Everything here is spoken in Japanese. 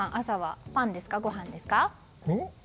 朝はパンですか、ご飯ですか？